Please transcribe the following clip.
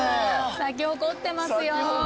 咲き誇ってますよ。